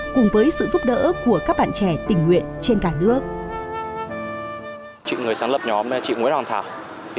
cùng với sự giúp đỡ của các bạn trẻ tình nguyện trên cảnh đại